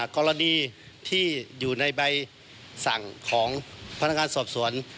กรณีที่อยู่ในใบสั่งของพนักงานสอบสวน